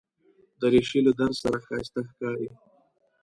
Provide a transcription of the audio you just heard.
دریشي له درز سره ښایسته ښکاري.